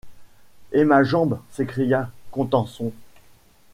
Et ma jambe!... s’écria Contenson.